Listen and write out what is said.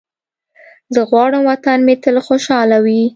زه غواړم وطن مې تل خوشحاله وي.